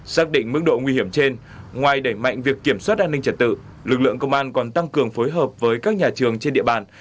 xác định mức độ nguy hiểm trên ngoài đẩy mạnh việc kiểm soát an ninh trật tự lực lượng công an còn tăng cường phối hợp với các nhà trường trên địa bàn